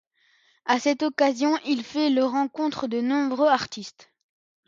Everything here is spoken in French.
A cette occasion il fait la rencontre de nombreux artistes.